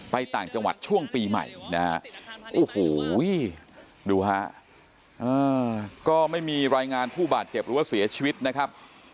ต่างจังหวัดช่วงปีใหม่นะฮะโอ้โหดูฮะก็ไม่มีรายงานผู้บาดเจ็บหรือว่าเสียชีวิตนะครับ